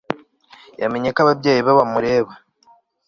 yamenye ko ababyeyi be bamureba